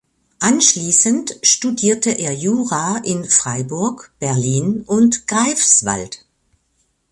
Anschließend studierte er Jura in Freiburg, Berlin und Greifswald.